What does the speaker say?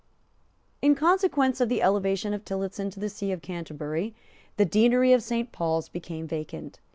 In consequence of the elevation of Tillotson to the See of Canterbury, the Deanery of Saint Paul's became vacant.